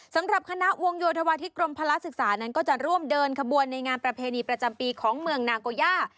สำหรับคณะวงโยธวาธิกรมพละศึกษานั้นก็จะร่วมเดินขบวนในงานประเพณีประจำปีของเมืองนาโกย่า